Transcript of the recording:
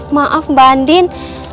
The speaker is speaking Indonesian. maaf mbak andin